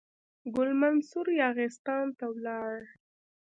ګل منصور یاغستان ته ولاړ.